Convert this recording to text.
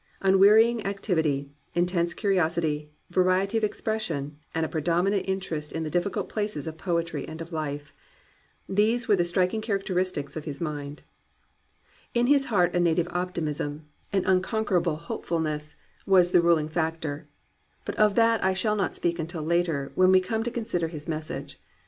Unwearying activity, intense curiosity, variety of expression, and a predominant interest in the difficult places of poetry and of life, — these were the striking characteristics of his mind. In his heart a native optimism, an unconquerable 247 COMPANIONABLE BOOKS hopefulness, was the ruHng factor. But of that I shall not speak until later, when we come to con sider his message.